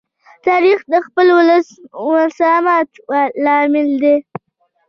تاریخ د خپل ولس د مساوات لامل دی.